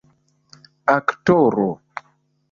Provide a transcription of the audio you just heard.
aktoro